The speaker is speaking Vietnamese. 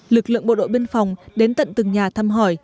lực lượng bộ đội biên phòng đến tận từng nhà thăm hỏi